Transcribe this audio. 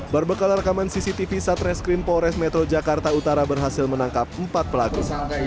berbekal rekaman cctv satreskrim polres metro jakarta utara berhasil menangkap empat pelaku